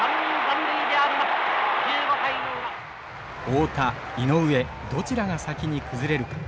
太田井上どちらが先に崩れるか。